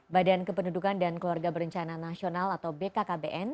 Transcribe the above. badan kependudukan dan keluarga berencana nasional atau bkkbn